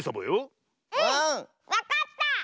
わかった！